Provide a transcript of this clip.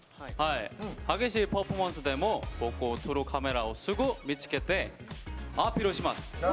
激しいパフォーマンスでも僕を撮るカメラを見つけて、アピールします。